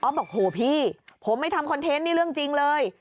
บอกโหพี่ผมไม่ทำคอนเทนต์นี่เรื่องจริงเลย